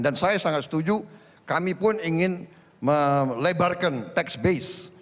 dan saya sangat setuju kami pun ingin melebarkan tax base